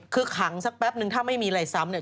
คือขังสักแป๊บนึงถ้าไม่มีอะไรซ้ำเนี่ย